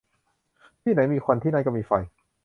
ที่ไหนมีควันที่นั่นก็มีไฟ